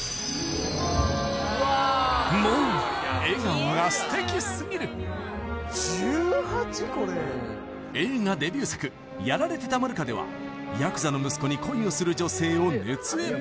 もう笑顔が素敵すぎる映画デビュー作「殺られてたまるか」ではヤクザの息子に恋をする女性を熱演